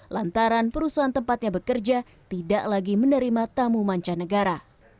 lantaran perusahaan tempatnya bekerja tidak lagi menerima tamu mancanegara